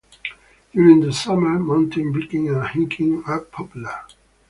During the summer, mountain biking and hiking are popular.